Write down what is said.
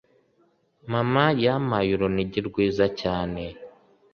Mama yampaye urunigi rwiza cyane